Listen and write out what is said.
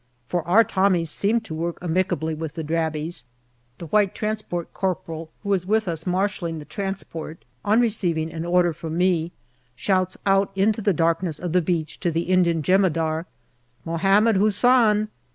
For our Tommies seem to work amicably with the Drabis. The white transport corporal, who is with us marshalling the transport, on receiving an order from me, shouts out into the darkness of the beach to the Indian jemadar, " Mahommed Hussan